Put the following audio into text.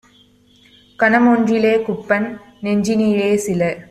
கணம்ஒன்றி லேகுப்பன் நெஞ்சினிலே - சில